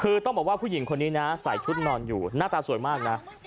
คือต้องบอกว่าผู้หญิงคนนี้นะใส่ชุดนอนอยู่หน้าตาสวยมากนะ